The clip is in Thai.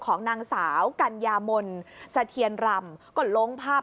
ของนางสาวกัญญามนสะเทียนรำก็ลงภาพ